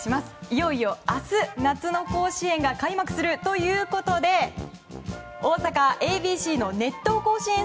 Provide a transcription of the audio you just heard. いよいよ明日、夏の甲子園が開幕するということで大阪・ＡＢＣの「熱闘甲子園」